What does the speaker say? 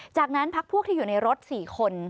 จากนั้นพักพวกที่อยู่ในรถ๔คน